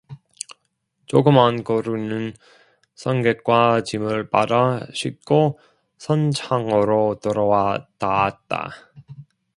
조그만 거루는 선객과 짐을 받아 싣고 선창으로 들어와 닿았다.